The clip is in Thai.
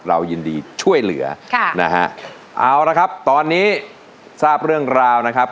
เรายินดีช่วยเหลือค่ะนะฮะเอาละครับตอนนี้ทราบเรื่องราวนะครับ